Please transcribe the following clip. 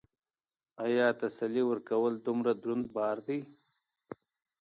ایا تسلي ورکول دومره دروند بار دی؟